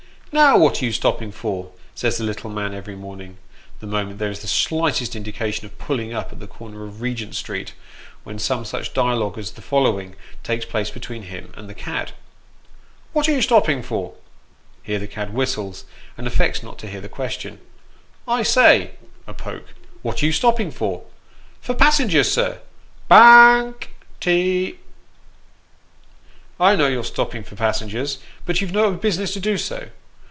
" Now, what are you stopping for ?" says the little man every morning, the moment there is the slightest indication of " pulling up " at the corner of Regent Street, when some such dialogue as the follow ing takes place between him and the cad " What are you stopping for ?" Here the cad whistles, and affects not to hear the question. " I say [a poke], what are you stopping for? "" For passengers, sir. Ba nk. Ty." " I know you're stopping for passengers ; but you've no business to do so.